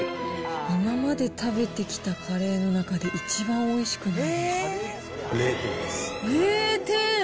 今まで食べてきたカレーの中で一番おいしくないです。